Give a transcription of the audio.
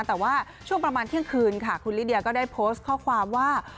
แต่ว่าช่วงประมาณเที่ยงคืนค่ะคุณลิเดียก็ได้โพสต์ข้อความว่า